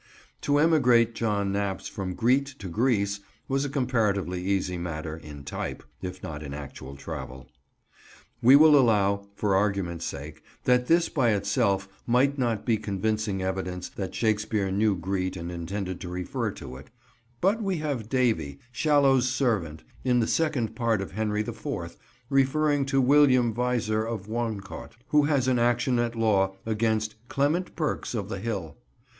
To emigrate John Naps from Greet to Greece was a comparatively easy matter, in type, if not in actual travel. We will allow, for argument's sake, that this by itself might not be convincing evidence that Shakespeare knew Greet and intended to refer to it; but we have Davy, Shallow's servant in the Second Part of Henry the Fourth, referring to "William Visor of Woncot," who has an action at law against "Clement Perkes of the hill."